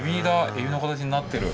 エビの形になってる。